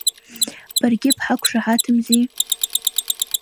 Баргьы бҳақәшаҳаҭымзи.